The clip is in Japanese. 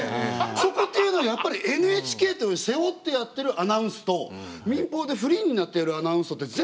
そこっていうのはやっぱりＮＨＫという背負ってやってるアナウンスと民放でフリーになってやるアナウンスとで全然違うのかなと思ったんですよ。